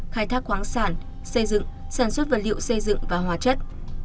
khai thác khoáng sản xây dựng sản xuất vật liệu xây dựng và hóa chất